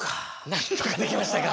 なんとかできましたか。